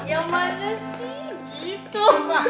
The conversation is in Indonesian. ya mana sih gitu